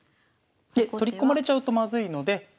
で取り込まれちゃうとまずいので。